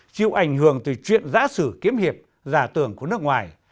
chịu ảnh hưởng từ chuyện giã sử kiếm hiệp giả tưởng của nước ngoài